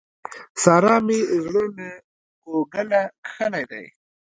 سارا مې زړه له کوګله کښلی دی.